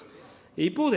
一方で、